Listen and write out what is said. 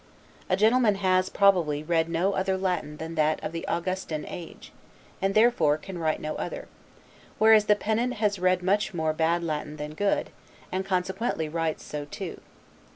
A gentleman has, probably, read no other Latin than that of the Augustan age; and therefore can write no other, whereas the pedant has read much more bad Latin than good, and consequently writes so too.